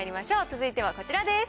続いてはこちらです。